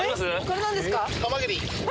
これ何ですか？